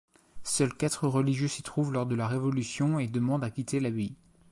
Seul quatre religieux s'y trouvent lors de la Révolution et demandent à quitter l'abbaye.